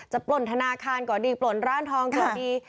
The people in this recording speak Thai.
ปล่นธนาคารก่อดีปล่นร้านทองก็ดี